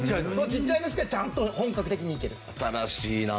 ちっちゃいんですけどちゃんと本格的にいける。